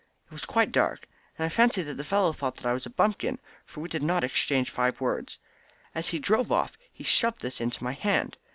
It was quite dark, and I fancy that the fellow thought that I was a bumpkin, for we did not exchange five words. As he drove off he shoved this into my hand.